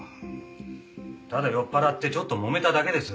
ただ酔っ払ってちょっともめただけです。